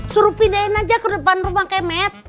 suruh pindahin aja ke depan rumah kemet